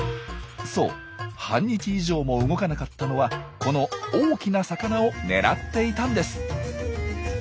そう半日以上も動かなかったのはこの大きな魚を狙っていたんです！